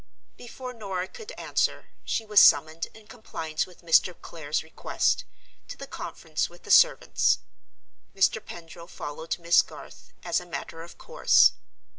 Before Norah could answer, she was summoned, in compliance with Mr. Clare's request, to the conference with the servants. Mr. Pendril followed Miss Garth, as a matter of course.